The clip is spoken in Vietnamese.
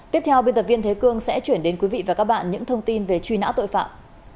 tiếp theo biên tập viên thế cương sẽ chuyển đến quý vị và các bạn những thông tin về truy nã tội phạm